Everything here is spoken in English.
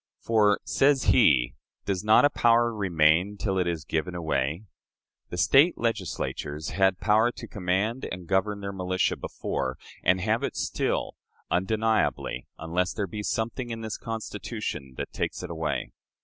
For (says he) does not a power remain till it is given away? The State Legislatures had power to command and govern their militia before, and have it still, undeniably, unless there be something in this Constitution that takes it away....